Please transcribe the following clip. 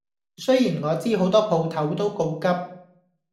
雖然我知好多鋪頭都告急